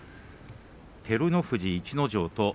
照ノ富士、逸ノ城